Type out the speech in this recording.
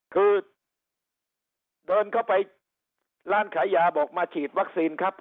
คือเดินเข้าไปร้านขายยาบอกมาฉีดวัคซีนครับ